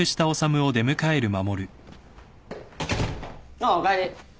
あっおかえり。